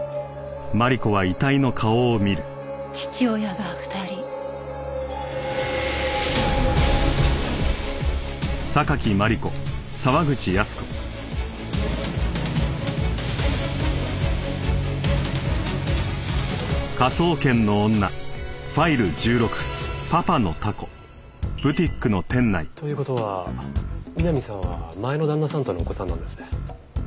父親が２人。という事は美波さんは前の旦那さんとのお子さんなんですね。